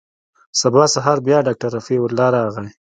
سبا سهار بيا ډاکتر رفيع الله راغى.